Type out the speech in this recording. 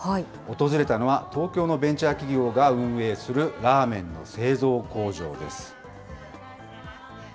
訪れたのは、東京のベンチャー企業が運営するラーメンの製造工場です。